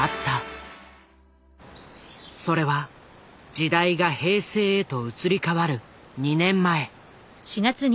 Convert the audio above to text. それは時代が平成へと移り変わる２年前。